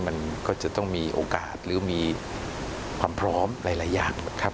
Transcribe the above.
มันก็จะต้องมีโอกาสหรือมีความพร้อมหลายอย่างนะครับ